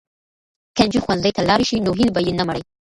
که نجونې ښوونځي ته لاړې شي نو هیلې به یې نه مري.